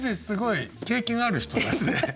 すごい経験ある人ですね。